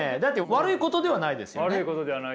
悪いことではないですよね。